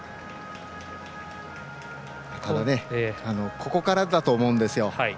ここからだと思うんですよ。